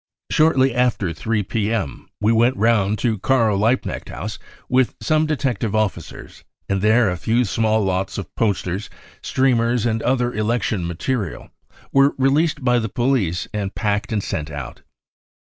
Shortlf after 3 p.m. we went round to Karl Liebknecht House, with some detective officers, and there a few small lots of posters, streamers and other election material were released by the police and packed and sent out.